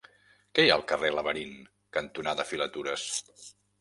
Què hi ha al carrer Laberint cantonada Filatures?